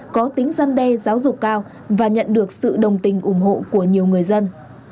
có tính gian đe giáo dục cao và nhận được sự đồng tình ủng hộ của nhiều người dân